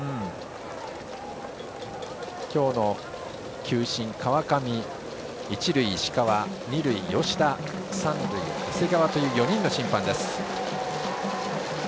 今日の球審、川上一塁、石川、二塁、吉田三塁、長谷川という４人の審判。